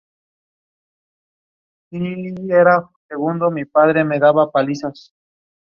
Era de ascendencia polaca.